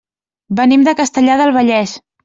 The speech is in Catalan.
Venim de Castellar del Vallès.